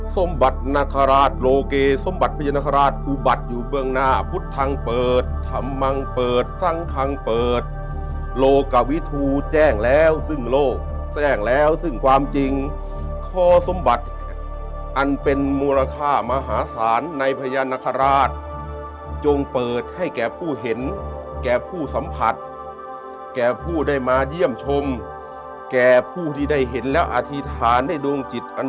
สมบัตินคราชโลเกสมบัติพญานาคาราชอุบัติอยู่เบื้องหน้าพุทธทางเปิดธรรมมังเปิดสร้างคังเปิดโลกวิทูแจ้งแล้วซึ่งโลกแจ้งแล้วซึ่งความจริงคอสมบัติอันเป็นมูลค่ามหาศาลในพญานาคาราชจงเปิดให้แก่ผู้เห็นแก่ผู้สัมผัสแก่ผู้ได้มาเยี่ยมชมแก่ผู้ที่ได้เห็นแล้วอธิษฐานได้ดวงจิตอัน